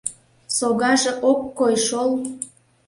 — Согаже ок кой шол...